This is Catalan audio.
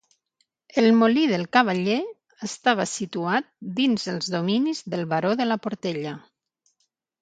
El molí del Cavaller estava situat dins els dominis del Baró de la Portella.